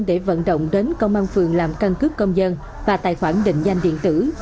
để vận động đến công an phường làm căn cước công dân và tài khoản định danh điện tử